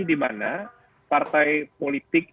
dimana partai politik